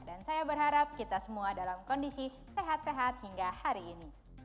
dan saya berharap kita semua dalam kondisi sehat sehat hingga hari ini